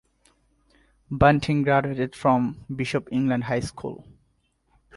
Bunting graduated from Bishop England High School.